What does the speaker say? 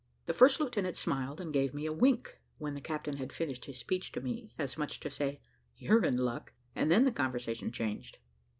The first lieutenant smiled, and gave me a wink, when the captain had finished his speech to me, as much as to say, "You're in luck," and then the conversation changed.